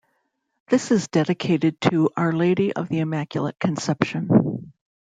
This is dedicated to 'Our Lady of the Immaculate Conception'.